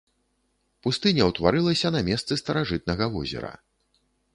Пустыня ўтварылася на месцы старажытнага возера.